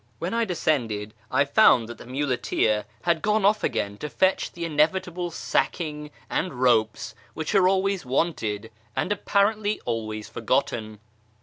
When I descended, I found that the muleteer had gone off again to fetch the inevitable sacking and ropes which are always wanted, and apparently always forgotten.